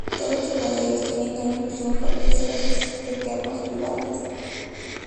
Todos los jugadores tienen gran ilusión por vencer a sus eternos "rivales".